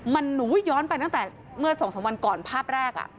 มันหนูย้อนไปตั้งแต่เมื่อ๒๓วันก่อนภาพแรก